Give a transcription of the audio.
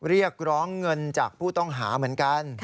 เรียกร้องเงินจากผู้ต้องหาเหมือนกัน